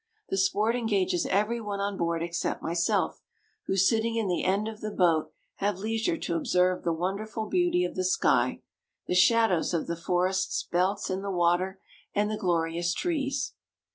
The sport engages every one on board except myself, who, sitting in the end of the boat, have leisure to observe the wonderful beauty of the sky, the shadows of the forests belts in the water, and the glorious trees.